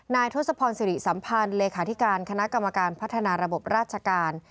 ทศพรสิริสัมพันธ์เลขาธิการคณะกรรมการพัฒนาระบบราชการ